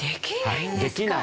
できない。